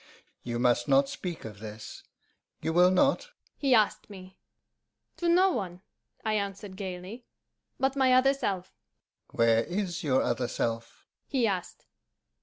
You must not speak of this you will not?' he asked me. 'To no one,' I answered gaily, 'but my other self.' 'Where is your other self?' he asked.